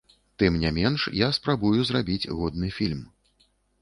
Тым не менш, я спрабую зрабіць годны фільм.